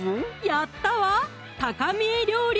やったわ高見え料理！